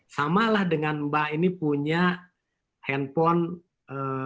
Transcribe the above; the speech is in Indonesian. samalah dengan mbak ini punya handphone